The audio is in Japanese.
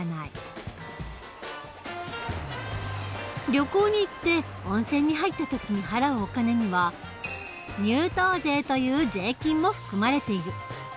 旅行に行って温泉に入った時に払うお金には入湯税という税金も含まれている。